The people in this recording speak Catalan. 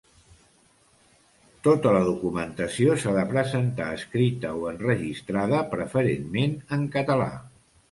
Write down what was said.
Tota la documentació s'ha de presentar escrita o enregistrada preferentment en català.